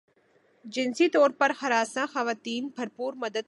جنسی طور پر ہراساں خواتین بھرپور مدد کی مستحق ہیں ایشوریا رائے